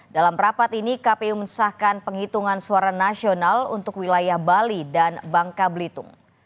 dalam rapat ini kpu mensahkan penghitungan suara nasional untuk wilayah bali dan bangka belitung